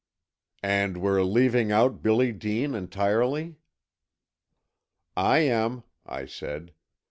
"And we're leaving out Billy Dean entirely?" "I am," I said.